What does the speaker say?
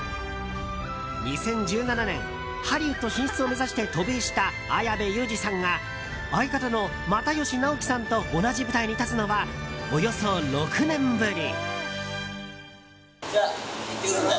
２０１７年、ハリウッド進出を目指して渡米した綾部祐二さんが相方の又吉直樹さんと同じ舞台に立つのはおよそ６年ぶり。